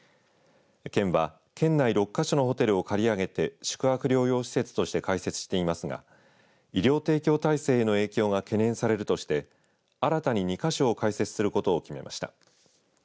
県は、県内６か所のホテルを借り上げて宿泊療養施設として開設していますが医療提供体制への影響が懸念されるとして新たに２か所を開設することを決めました。